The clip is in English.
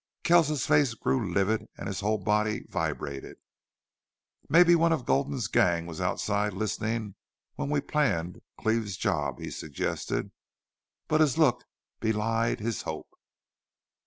Kells's face grew livid and his whole body vibrated. "Maybe one of Gulden's gang was outside, listening when we planned Cleve's job," he suggested. But his look belied his hope.